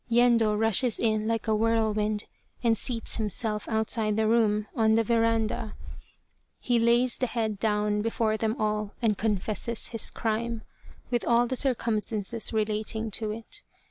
Yendo rushes in like a whirlwind and seats himself outside the room, on the veranda. He lays the head down before them all and confesses his crime, with all the circumstances relating to it.